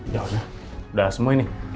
ya udah semua ini